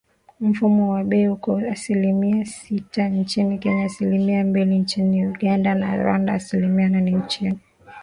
Mfumuko wa bei uko asilimia sita nchini Kenya, asilimia mbili nchini Uganda na Rwanda, asilimia nane nchini Tanzania, asilimia tatu nchini Burundi